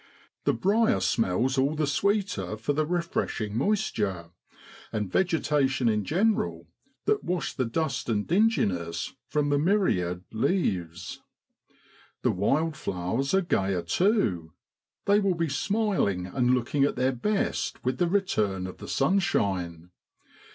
The brier smells all the sweeter for the refreshing moisture, and vegetation in general looks the brighter for the big drops that wash the dust and dinginess from the myriad leaves. The wild flowers are gayer too, they will be smiling and looking at their best with the return of the sunshine.